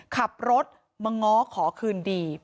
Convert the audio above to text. ขับรถมาง้อขอคืนดี